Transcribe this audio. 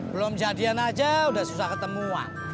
belum jadian aja udah susah ketemuan